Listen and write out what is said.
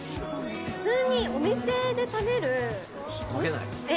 普通にお店で食べる質、え？